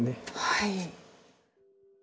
はい。